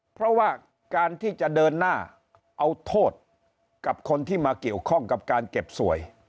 เพราะว่าการที่จะเดินหน้าเอาโทษกับคนที่มาเกี่ยวข้องกับการเก็บสวย